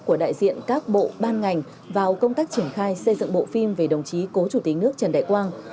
của đại diện các bộ ban ngành vào công tác triển khai xây dựng bộ phim về đồng chí cố chủ tịch nước trần đại quang